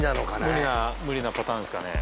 無理な無理なパターンですかね